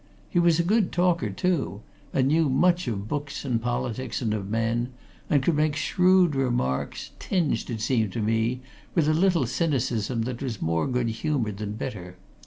He was a good talker, too, and knew much of books and politics and of men, and could make shrewd remarks, tinged, it seemed to me, with a little cynicism that was more good humoured than bitter.